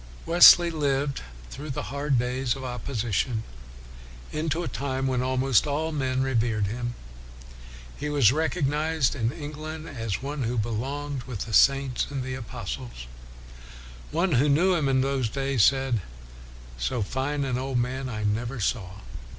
Wesley lived through the hard days of opposition into a time when almost all men revered him. He was recognized in Eng land as one who belonged with the saints and the apostles. One who knew him in those days said, " So fine an old man I never saw.